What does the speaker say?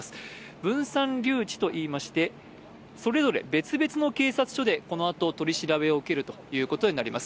分散留置といいまして、それぞれ別の警察署でこのあと取り調べを受けることになります。